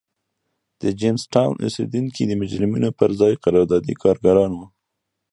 د جېمز ټاون اوسېدونکي د مجرمینو پر ځای قراردادي کارګران وو.